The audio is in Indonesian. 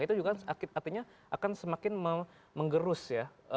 itu juga artinya akan semakin menggerus ya